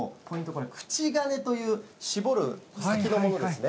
これ、口金という、絞る先のものですね。